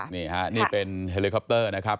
นี่ฮะนี่เป็นเฮลิคอปเตอร์นะครับ